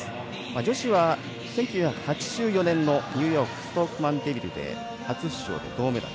女子は１９８４年のニューヨークストックマンデビルで初出場で銅メダル。